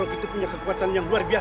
sampai jumpa di video selanjutnya